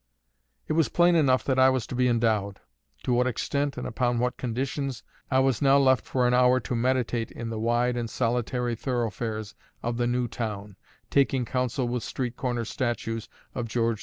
It was plain enough that I was to be endowed: to what extent and upon what conditions I was now left for an hour to meditate in the wide and solitary thoroughfares of the new town, taking counsel with street corner statues of George IV.